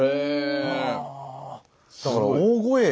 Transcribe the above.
だから「大峠」？